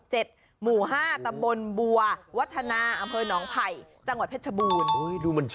หมู่๕ตำบลบัววัฒนาอำเภอนองภัยจังหวัดเพชรชบูน